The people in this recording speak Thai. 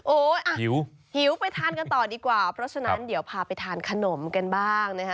โอ้โหหิวไปทานกันต่อดีกว่าเพราะฉะนั้นเดี๋ยวพาไปทานขนมกันบ้างนะคะ